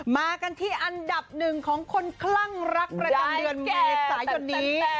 มากันที่อันดับหนึ่งของคนคลั่งรักประจำเดือนเมษายนนี้